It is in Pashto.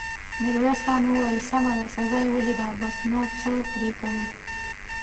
ميرويس خان وويل: سمه ده، سزا يې وليده، بس، نور څه پرې کوې!